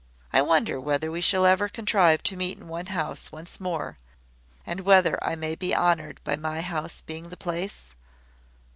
I wonder whether we shall ever contrive to meet in one house once more, and whether I may be honoured by my house being the place?